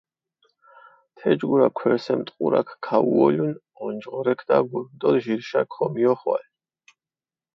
თეჯგურა ქვერსემ ტყურაქ ქაუოლუნ, ონჯღორექ დაგურჷ დო ჟირშა ქომიოხვალ.